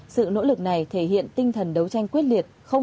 sự nỗ lực này thể hiện tinh thần đấu tranh quyết liệt